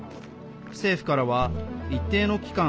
政府からは一定の期間